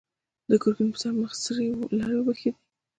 د ګرګين پر سره مخ سرې لاړې وبهېدې.